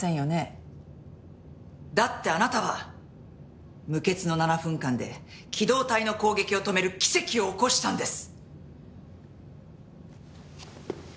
だってあなたは無血の７分間で機動隊の攻撃を止める奇跡を起こしたんです！